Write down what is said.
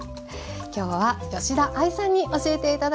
今日は吉田愛さんに教えて頂きました。